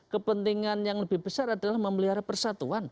kepentingan yang lebih besar adalah memelihara persatuan